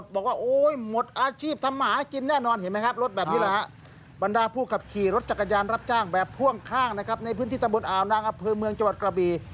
บรรดาผู้ขับขี่รถจักรยานรับจ้างแบบพ่วงข้างนะครับในพื้นที่ตำบลอาวนางอเภอเมืองจังหวัดกระบี